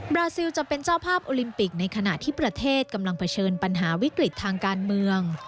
ราซิลจะเป็นเจ้าภาพโอลิมปิกในขณะที่ประเทศกำลังเผชิญปัญหาวิกฤตทางการเมือง